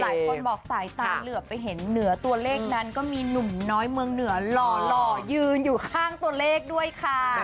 หลายคนบอกสายตาเหลือไปเห็นเหนือตัวเลขนั้นก็มีหนุ่มน้อยเมืองเหนือหล่อยืนอยู่ข้างตัวเลขด้วยค่ะ